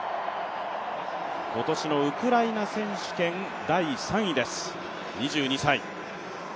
今年のウクライナ選手権第３位です２２歳。